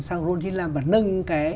sang roll chín mươi năm và nâng cái